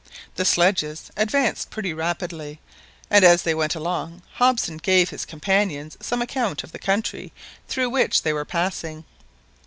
The sledges advanced pretty rapidly, and as they went along, Hobson gave his companion some account of the country through which they were passing.